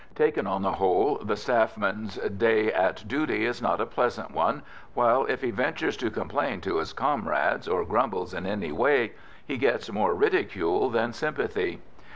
Taken on the whole, the staff man's day at duty is not a pleasant one, while, if he ventures to complain to his comrades or grumble in any way, he gets more ridicule than sympathy.